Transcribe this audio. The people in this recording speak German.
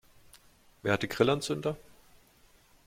Wer hat die Grillanzünder?